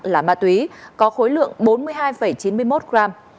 là ma túy có khối lượng bốn mươi hai chín mươi một gram